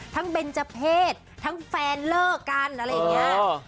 เบนเจอร์เพศทั้งแฟนเลิกกันอะไรอย่างนี้